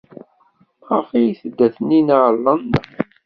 Maɣef ay tedda Taninna ɣer London?